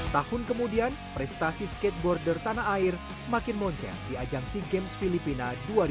tahun kemudian prestasi skateboarder tanah air makin moncer di ajang sea games filipina dua ribu dua puluh